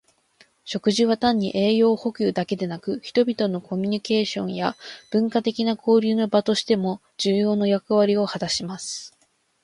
食事は単に栄養補給だけでなく、人々のコミュニケーションや文化的な交流の場としても重要な役割を果たします。